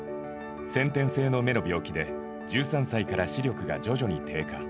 先天性の目の病気で１３歳から視力が徐々に低下。